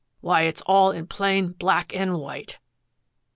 Why, it's all in plain black and white!"